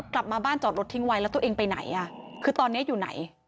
กลับมาบ้านจอดรถทิ้งไว้แล้วตัวเองไปไหนอ่ะคือตอนนี้อยู่ไหน